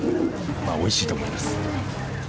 おいしいと思います。